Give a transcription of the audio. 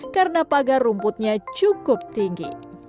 karena pagar rumputnya cukup tinggi